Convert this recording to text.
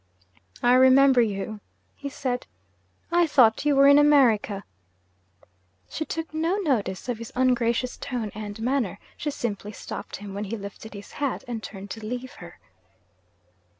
'I remember you,' he said. 'I thought you were in America!' She took no notice of his ungracious tone and manner; she simply stopped him when he lifted his hat, and turned to leave her.